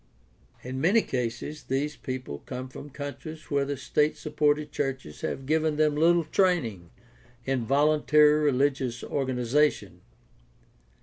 In many cases these people come from countries where the state supported churches have given them little training in voluntary rehgious organization.